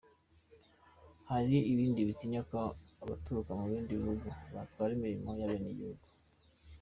Hari ibindi bitinya ko abaturuka mu bindi bihugu batwara imirimo abenegihugu".